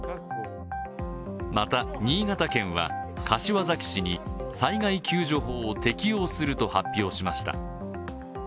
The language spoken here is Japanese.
また、新潟県は柏崎市に災害救助法を適用すると発表しました。